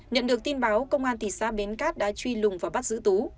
nhận được tin báo công an thị xã bến cát đã truy lùng và bắt giữ tú